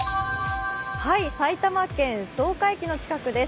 埼玉県草加駅の近くです。